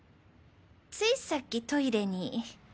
ついさっきトイレに。